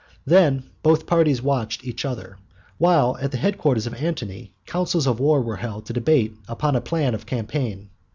Then both parties watched each other, while at the head quarters of Antony councils of war were held to debate upon a plan of campaign.